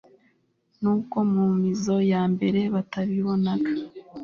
nubwo mu mizo ya mbere batabibonaga